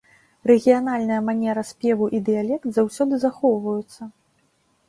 Рэгіянальная манера спеву і дыялект заўсёды захоўваюцца.